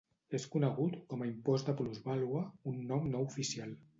És conegut com a impost de plusvàlua, un nom no oficial.